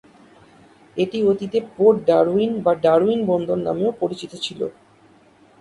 এটি অতীতে Port Darwin বা ডারউইন বন্দর নামেও পরিচিত ছিল।